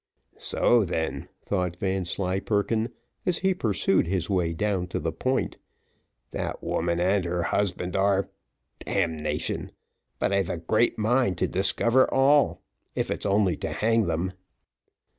"So then," thought Vanslyperken, as he pursued his way down to the Point, "that woman and her husband are damnation, but I've a great mind to discover all, if it's only to hang them."